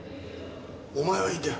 お前はいいんだよ。